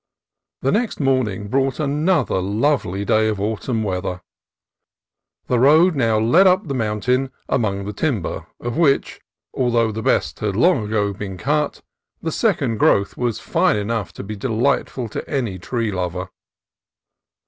The next morning brought another lovely day of autumn weather. The road now led up the mountain among the timber, of which, although the best had long ago been cut, the second growth was fine enough to be delightful to any tree lover.